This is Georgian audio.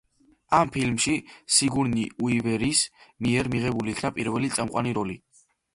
ამ ფილმში სიგურნი უივერის მიერ მიღებული იქნა პირველი წამყვანი როლი.